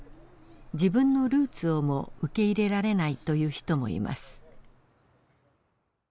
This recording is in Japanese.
自分のルーツをも受け入れられないという人もいます。